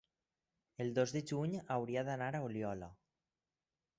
el dos de juny hauria d'anar a Oliola.